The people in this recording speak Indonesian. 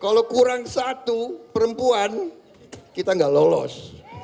kalau kurang satu perempuan kita nggak lolos